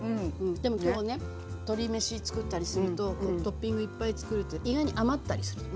でも鶏めし作ったりするとトッピングいっぱい作ると意外に余ったりする。